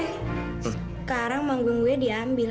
sekarang manggung gue diambil